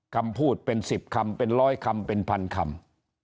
คำพูดเป็น๑๐คำเป็นร้อยคำเป็นพันคำ